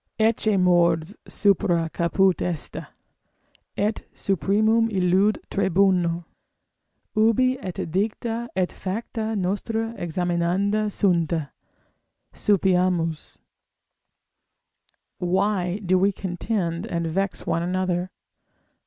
ecce mors supra caput est, et supremum illud tribunal, ubi et dicta et facta nostra examinanda sunt: Sapiamus! Why do we contend and vex one another?